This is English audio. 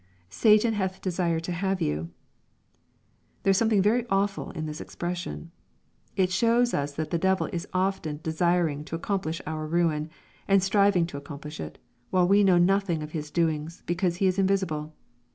[Satan hath desired to have you.] There is something very awful in this expression. It shows us that the devil is often " desiring" to accomplish our ruin, and striving to accomplish it, while we know nothing of his doings, because he is invisible.